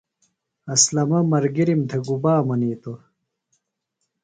اسلمہ ملگرِم تھےۡ گُبا منِیتوۡ ؟